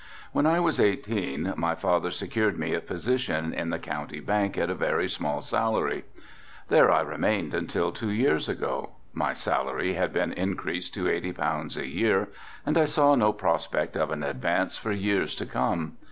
When I was eighteen my father secured me a position in the County Bank at a very small salary; there I remained until two years ago. My salary had been increased to eighty pounds a year and I saw no prospect of an advance for years to come.